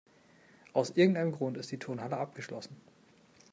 Aus irgendeinem Grund ist die Turnhalle abgeschlossen.